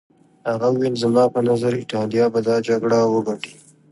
هغه وویل زما په نظر ایټالیا به دا جګړه وګټي.